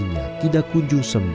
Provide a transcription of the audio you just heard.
kakinya tidak kunjung sembuh